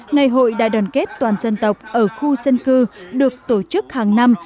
ngày hội đại đoàn kết toàn dân tộc ở khu dân cư được tổ chức hàng năm